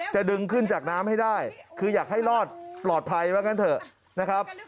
จะดึงขึ้นจากน้ำให้ได้คืออยากให้รอดปลอดภัยว่างั้นเถอะนะครับ